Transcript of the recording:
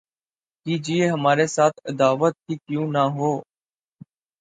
کیجئے ہمارے ساتھ‘ عداوت ہی کیوں نہ ہو